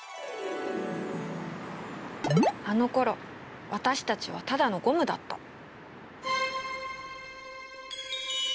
あのころ私たちはただのゴムだった。